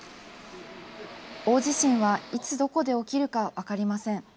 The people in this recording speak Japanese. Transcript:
大地震はいつどこで起きるか分かりません。